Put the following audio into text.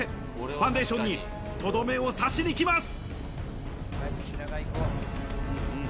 ファンデーションにトドメを刺しに行きます。